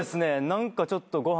何かちょっとご飯。